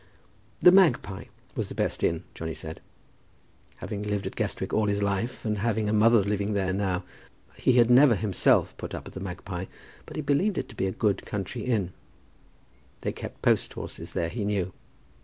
"The Magpie" was the best inn, Johnny said. Having lived at Guestwick all his life, and having a mother living there now, he had never himself put up at "The Magpie," but he believed it to be a good country inn. They kept post horses there, he knew.